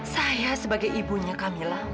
saya sebagai ibunya kamila